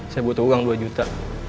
saya butuh uang dua juta